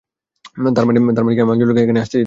তারমানে আমি কি আঞ্জলিকে এখানে একা আসতে দিতাম?